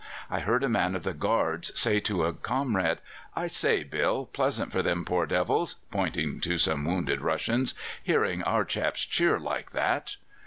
I heard a man of the Guards say to a comrade: 'I say, Bill, pleasant for them poor devils' (pointing to some wounded Russians), 'hearing our chaps cheer like that.